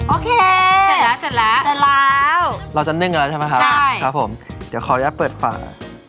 โอเคเสร็จแล้วเราจะนึ่งแล้วใช่ไหมครับครับผมเดี๋ยวคอลยัดเปิดฝ่า